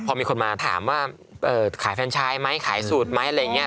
พอมีคนมาถามว่าขายแฟนชายไหมขายสูตรไหมอะไรอย่างนี้